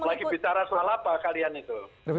lagi bicara soal apa kalian itu